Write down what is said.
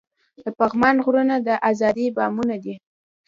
د پغمان غرونه د ازادۍ بامونه دي.